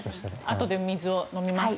あとで水を飲みます。